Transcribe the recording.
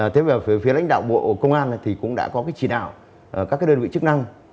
thế và phía lãnh đạo bộ công an thì cũng đã có chỉ đạo các đơn vị chức năng